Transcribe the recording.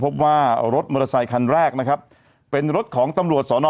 พบว่ารถมอเตอร์ไซคันแรกนะครับเป็นรถของตำรวจสอนอ